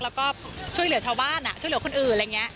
แล้วก็ช่วยเหลือชาวบ้านช่วยเหลือคนอื่นอะไรอย่างนี้